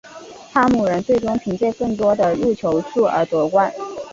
哈姆人最终凭借更多的入球数而夺冠。